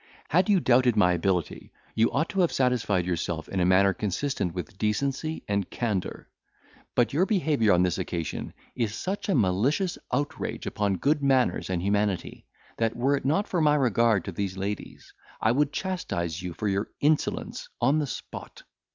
Had you doubted my ability, you ought to have satisfied yourself in a manner consistent with decency and candour; but your behaviour on this occasion is such a malicious outrage upon good manners and humanity, that, were it not for my regard to these ladies, I would chastise you for your insolence on the spot.